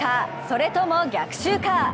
それとも逆襲か？